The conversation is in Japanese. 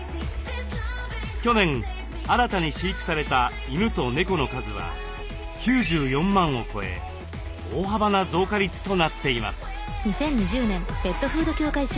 去年新たに飼育された犬と猫の数は９４万を超え大幅な増加率となっています。